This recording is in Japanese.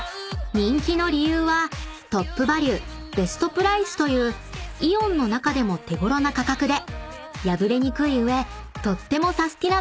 ［人気の理由はトップバリュベストプライスというイオンの中でも手ごろな価格で破れにくい上とってもサスティな！